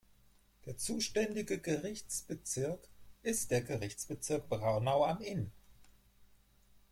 Der zuständige Gerichtsbezirk ist der Gerichtsbezirk Braunau am Inn.